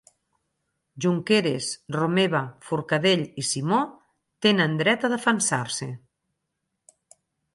Junqueras, Romeva, Forcadell i Simó tenen dret a defensar-se